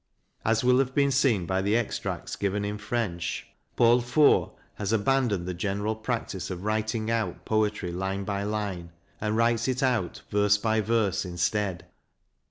As will have been seen by the extracts given in French, Paul Fort has abandoned the general practice of writing out poetry line by line and writes it out verse by verse instead.